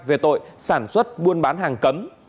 về tội sản xuất buôn bán hàng cấm